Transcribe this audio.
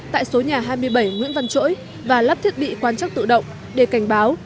tại số nhà hai mươi bảy nguyễn văn chỗi và lắp thiết bị quan trắc tự động để cảnh báo